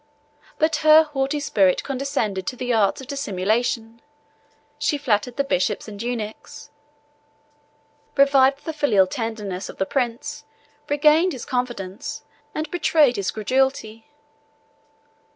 But her haughty spirit condescended to the arts of dissimulation: she flattered the bishops and eunuchs, revived the filial tenderness of the prince, regained his confidence, and betrayed his credulity.